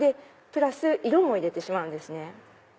プラス色も入れてしまうんですね。